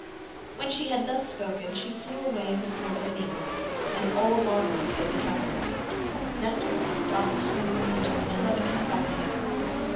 When she had thus spoken, she flew away in the form of an eagle, and all marvelled as they beheld it. Nestor was astonished, and took Telemachus by the hand.